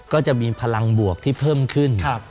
ก็จะมีพลังบวกที่เพิ่มขึ้น